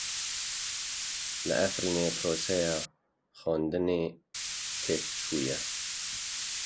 Li Efrînê proseya xwendinê têk çûye.